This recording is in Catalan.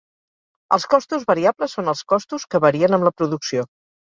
Els costos variables són els costos que varien amb la producció.